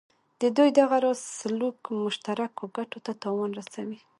د دوی دغه راز سلوک مشترکو ګټو ته تاوان رسوي.